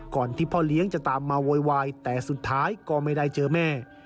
ที่พ่อเลี้ยงจะตามมาโวยวายแต่สุดท้ายก็ไม่ได้เจอแม่